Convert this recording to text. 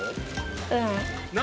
うん。